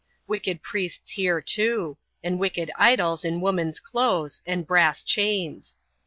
Wicked priests here, too; and wicked idols in woman's clothes, and brass ehains.